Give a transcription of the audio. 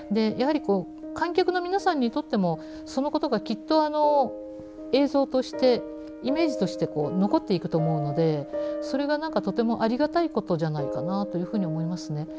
やはり観客の皆さんにとってもそのことがきっと映像としてイメージとして残っていくと思うのでそれがとてもありがたいことじゃないかなというふうに思いますね。